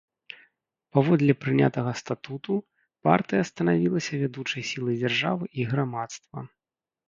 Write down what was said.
Паводле прынятага статуту, партыя станавілася вядучай сілай дзяржавы і грамадства.